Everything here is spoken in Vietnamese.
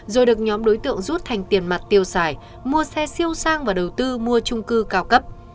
rồi được nhóm đối tượng rút thành tiền mặt tiêu xài mua xe siêu sang và đầu tư mua trung cư cao cấp